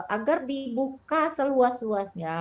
agar dibuka seluas luasnya